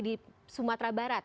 di sumatera barat